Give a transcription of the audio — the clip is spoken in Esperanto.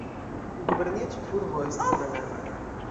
Gubernia ĉefurbo estas Nagano.